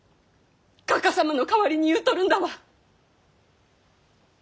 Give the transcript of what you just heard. かか様の代わりに言うとるんだわ！